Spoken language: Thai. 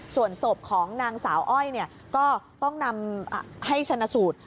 ส่วนศพของนางสาวอ้อยก็ต้องนำให้ชนะสูตร